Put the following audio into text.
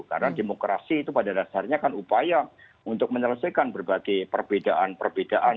karena demokrasi itu pada dasarnya kan upaya untuk menyelesaikan berbagai perbedaan perbedaan